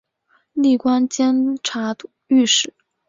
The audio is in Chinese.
历官监察御史。